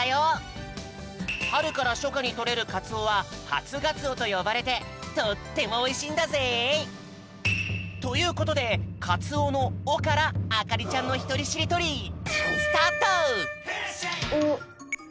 はるからしょかにとれるかつおは「はつがつお」とよばれてとってもおいしいんだぜい！ということでかつおの「お」からあかりちゃんのひとりしりとりおお。